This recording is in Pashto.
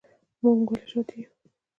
موږ ولې شاته یو؟